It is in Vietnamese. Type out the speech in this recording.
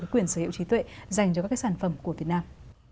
quyền sở hữu trí tuệ dành cho các sản phẩm của việt nam